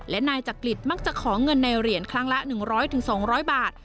และนายจักริตมักจะขอเงินในเหรียญครั้งละ๑๐๐๒๐๐บาท